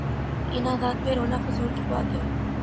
ان عادات پہ رونا فضول کی بات ہے۔